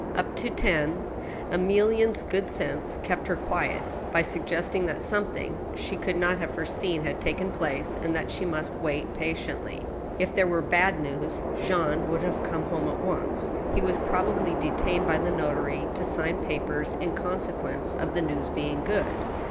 Up to ten, Emilienne's good sense kept her quiet, by suggesting that something she could not have foreseen had taken place, and that she must wait patiently. If there were bad news, Jean would have come home at once. He was probably detained by the notary to sign papers in conse quence of the news being good.